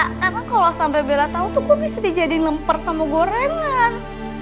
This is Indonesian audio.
karena kalo sampe bella tau tuh gue bisa dijadiin lempar sama gorengan